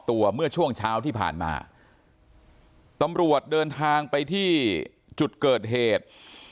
เมื่อช่วงเช้าที่ผ่านมาตำรวจเดินทางไปที่จุดเกิดเหตุ